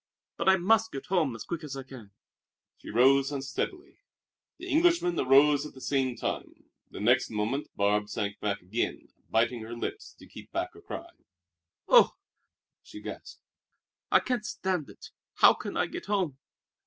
But I must get home as quick as I can." She rose unsteadily. The Englishman arose at the same time. The next moment Barbe sank back again, biting her lips to keep back a cry. "Oh," she gasped, "I can't stand it! How can I get home?"